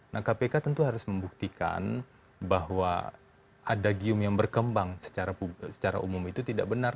nah kpk tentu harus membuktikan bahwa ada gium yang berkembang secara umum itu tidak benar